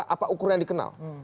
apa ukuran yang dikenal